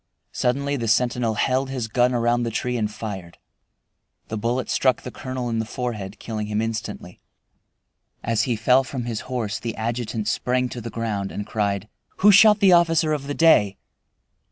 Suddenly the sentinel held his gun around the tree and fired. The bullet struck the colonel in the forehead, killing him instantly. As he fell from his horse the adjutant sprang to the ground and cried, "Who shot the officer of the day?"